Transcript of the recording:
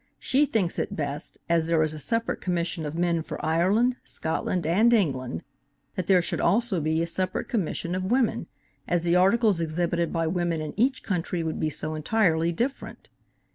She thinks it best, as there is a separate commission of men for Ireland, Scotland and England, that there should also be a separate commission of women, as the articles exhibited by women in each country would be so entirely different.